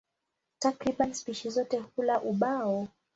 Takriban spishi zote hula ubao.